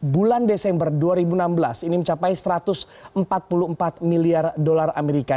bulan desember dua ribu enam belas ini mencapai satu ratus empat puluh empat miliar dolar amerika